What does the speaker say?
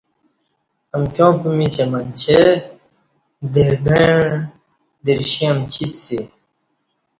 امکیا ں پِیمیچ اہ منچے درگݩع درشی امچِسی